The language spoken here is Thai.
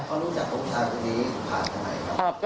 ลูกจากตรงนี้ผ่านทำไมครับ